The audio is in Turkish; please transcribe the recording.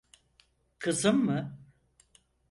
Kızım mı?